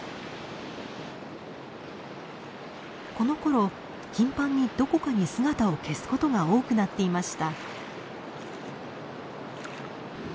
このころ頻繁にどこかに姿を消すことが多くなっていました。